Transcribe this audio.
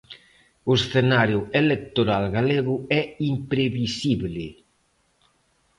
"O escenario electoral galego é imprevisible".